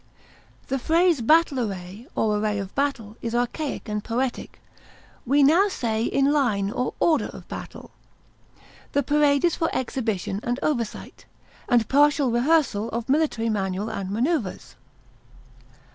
The phrase battle array or array of battle is archaic and poetic; we now say in line or order of battle. The parade is for exhibition and oversight, and partial rehearsal of military manual and maneuvers.